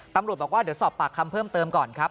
ตำรวจบอกว่าเดี๋ยวสอบปากคำเพิ่มเติมก่อนครับ